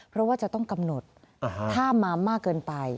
เพราะว่าจะต้องกำหนดถ้ามามากเกินไป